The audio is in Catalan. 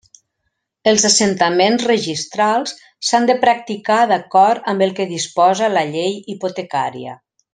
Els assentaments registrals s'han de practicar d'acord amb el que disposa la Llei hipotecària.